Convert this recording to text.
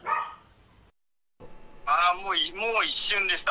もう一瞬でした。